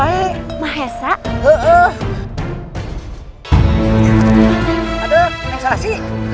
aduh apa yang salah sih